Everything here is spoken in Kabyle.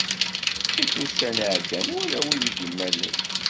Ttif ussan iɛeddan wala wid d-immalen.